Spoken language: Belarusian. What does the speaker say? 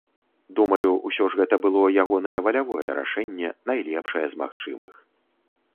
Думаю, усё ж гэта было ягонае валявое рашэнне, найлепшае з магчымых.